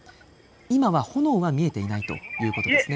今は炎は見えていないということですね。